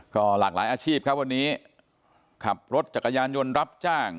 ก็หลากหลายอาชีพครับวันนี้ขับรถจักรยานยนต์รับจ้าง